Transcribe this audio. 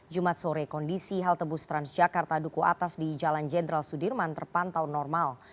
jumat sore kondisi halte bus transjakarta duku atas di jalan jenderal sudirman terpantau normal